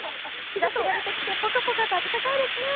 日ざしが出てきてポカポカと温かいですね。